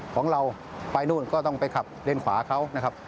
ของเราไปนู่นก็ต้องไปขับเลนขวาเขานะครับ